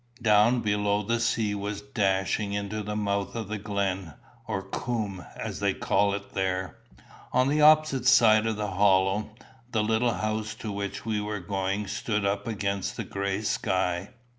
Down below the sea was dashing into the mouth of the glen, or coomb, as they call it there. On the opposite side of the hollow, the little house to which we were going stood up against the gray sky.